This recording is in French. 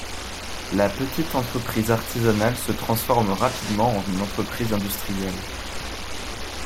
La petite entreprise artisanale se transforme rapidement en une entreprise industrielle.